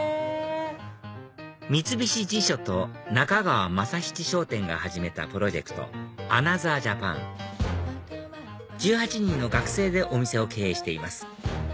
三菱地所と中川政七商店が始めたプロジェクトアナザー・ジャパン１８人の学生でお店を経営しています